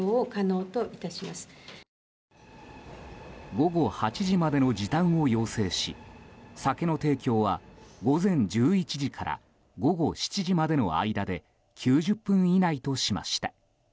午後８時までの時短を要請し酒の提供は午前１１時から午後７時までの間で９０分以内としました。